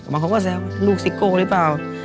ต่อก็แซวลูกซิโก้น่ะ